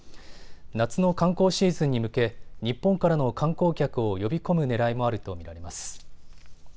夏の観光シーズンに向け日本からの観光客を呼び込むねらいもあると見られます。